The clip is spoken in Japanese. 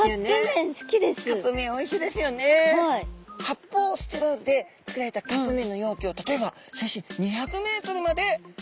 発泡スチロールで作られたカップめんの容器を例えば水深２００ｍまでしずめたとします。